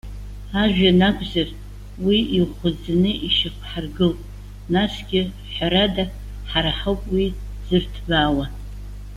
Ажәҩан акәзар, уи иӷәӷәаӡаны ишьақәҳаргылт. Насгьы, ҳәарада, ҳара ҳауп уи зырҭбаауа.